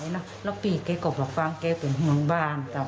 และพี่เขากลับบ้านเป็นเหงิงบ้าน